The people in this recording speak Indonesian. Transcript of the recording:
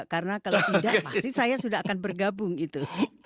karena kalau tidak pasti saya sudah akan bergabung itu